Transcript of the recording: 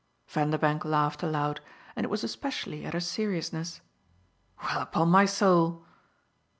Vanderbank laughed aloud, and it was especially at her seriousness. "Well, upon my soul!"